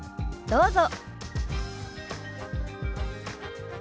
どうぞ。